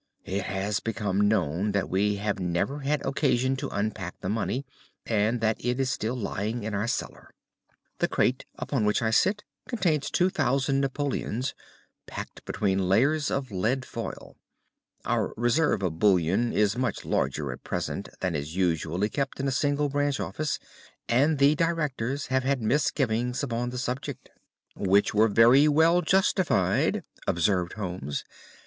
It has become known that we have never had occasion to unpack the money, and that it is still lying in our cellar. The crate upon which I sit contains 2,000 napoleons packed between layers of lead foil. Our reserve of bullion is much larger at present than is usually kept in a single branch office, and the directors have had misgivings upon the subject." "Which were very well justified," observed Holmes.